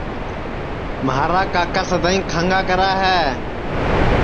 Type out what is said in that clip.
مھارا کاکا سدائیں کھانٚگا کرا ہے